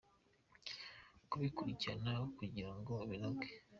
kubikurikirana kugirango binoge.